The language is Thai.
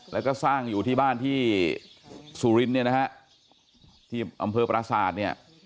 แล้วก็สร้างอยู่ที่บ้านที่สุรินทร์เนี่ยนะฮะที่อำเภอปราศาสตร์เนี่ย